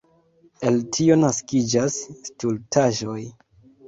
El tio naskiĝas stultaĵoj.